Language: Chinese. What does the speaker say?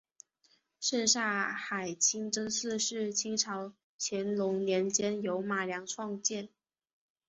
什刹海清真寺是清朝乾隆年间由马良创建。